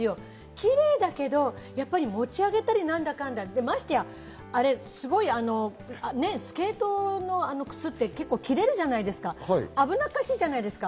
キレイだけど、持ち上げたりなんだかんだ、ましてや、スケート靴って結構切れるじゃないですか、危なっかしいじゃないですか。